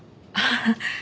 ああ。